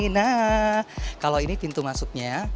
nah kalau ini pintu masuknya